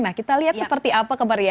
nah kita lihat seperti apa kemarin ya